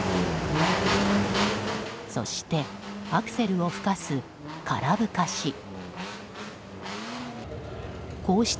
そして、アクセルをふかす空ぶかし。